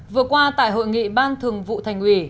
vừa qua tại hội nghị ban thường vụ thành ủy